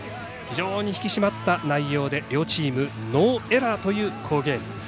非常に引き締まった内容で両チーム、ノーエラーという好ゲーム。